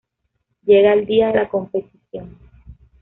Llega el día de la competición.